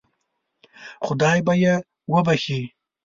خدای به یې وبخشي.